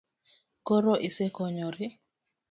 Koro isekonyori?